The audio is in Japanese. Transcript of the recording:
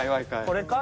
これか？